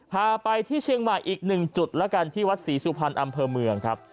พาไปที่เชียงใหม่อีกหนึ่งจุดแล้วกันที่วัดศรีสุพรรณอำเภอเมืองครับ